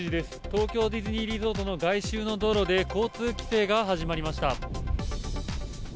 東京ディズニーリゾートの外周の道路で、交通規制が始まりました。